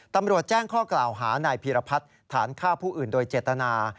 ตำรวจแจ้งข้อกล่าวหานายพีรพัฒน์ฐานฆ่าผู้อื่นโดยเจตนา